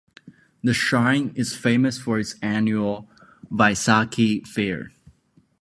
The Shrine is famous for its annual Vaisakhi fair.